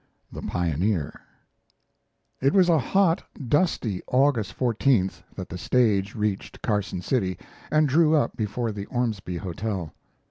THE PIONEER It was a hot, dusty August 14th that the stage reached Carson City and drew up before the Ormsby Hotel.